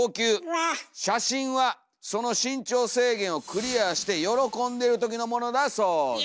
写真はその身長制限をクリアして喜んでるときのもの」だそうです。